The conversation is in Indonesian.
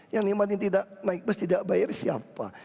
yang menikmatkan naik bus tidak bayar siapa